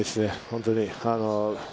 本当に。